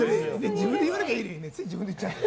自分で言わなきゃいいのについ自分で言っちゃう。